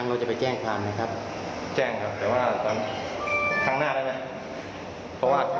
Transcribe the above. โอ้โฮ